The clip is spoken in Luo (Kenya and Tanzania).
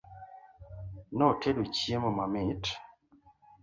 Notedo chiemo mamit